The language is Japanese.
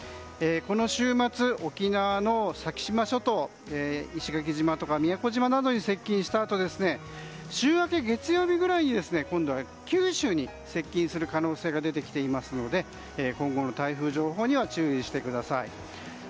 この週末、沖縄の先島諸島石垣島とか宮古島などに接近したあと週明け月曜日ぐらいに今度は九州に接近する可能性が出てきていますので今後の台風情報には注意してください。